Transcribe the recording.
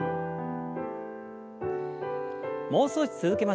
もう少し続けましょう。